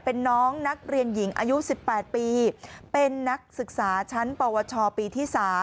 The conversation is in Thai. เป็นน้องนักเรียนหญิงอายุ๑๘ปีเป็นนักศึกษาชั้นปวชปีที่๓